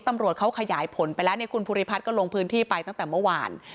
ตำรวจเขาขยายผลไปแล้วเนี่ยคุณภูริพัฒน์ก็ลงพื้นที่ไปตั้งแต่เมื่อวาน